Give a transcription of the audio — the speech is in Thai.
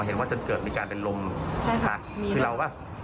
เห็นว่าจนเกิดมีการเป็นลมสั่งคือเราก่อนป่ะ